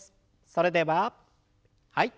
それでははい。